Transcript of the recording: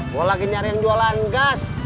gue lagi nyari yang jualan gas